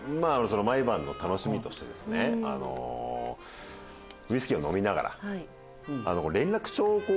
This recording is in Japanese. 毎晩の楽しみとしてウイスキーを飲みながら。